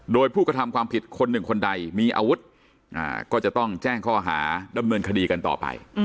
โดยผู้กระทำความผิดคนหนึ่งคนใดมีอาวุธก็จะต้องแจ้งข้อหาดำเนินคดีกันต่อไป